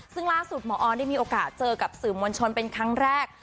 ซึ่งล่าสุดหมอออนได้มีโอกาสเจอกับสื่อมวลชนเป็นครั้งแรก